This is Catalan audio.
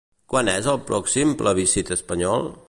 Quan és el pròxim plebiscit espanyol?